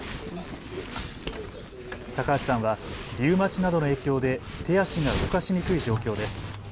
高橋さんはリウマチなどの影響影響で手足が動かしにくい状況です。